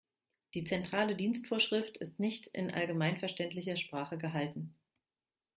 Die Zentrale Dienstvorschrift ist nicht in allgemeinverständlicher Sprache gehalten.